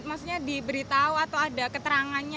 maksudnya diberitahu atau ada ketidakpun ya